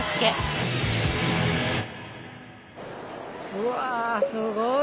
うわすごい。